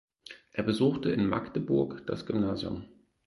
Er besuchte in Magdeburg das Gymnasium.